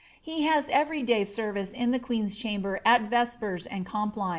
He has every day service in the queen's chamber at vespers and complin.